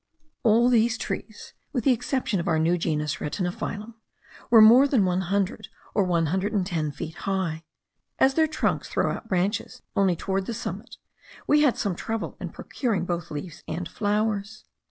All these trees (with the exception of our new genus Retiniphyllum) were more than one hundred or one hundred and ten feet high. As their trunks throw out branches only toward the summit, we had some trouble in procuring both leaves and flowers.